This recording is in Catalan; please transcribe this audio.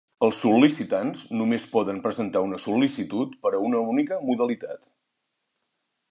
Els sol·licitants només poden presentar una sol·licitud per a una única modalitat.